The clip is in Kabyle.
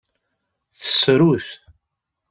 Tessru-t.